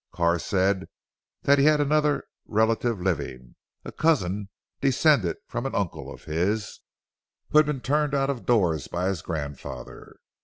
Carr said that he had another relative living; a cousin descended from an uncle of his, who had been turned out of doors by his grandfather.